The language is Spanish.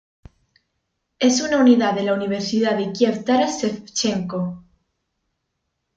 Es una unidad de la Universidad de Kiev Taras Shevchenko.